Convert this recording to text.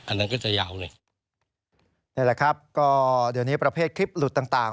อันนั้นก็จะยาวเลยนี่แหละครับก็เดี๋ยวนี้ประเภทคลิปหลุดต่างต่าง